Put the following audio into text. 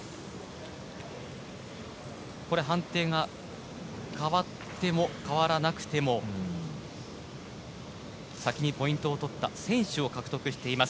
これは判定が変わっても変わらなくても先にポイントを取った先取を獲得しています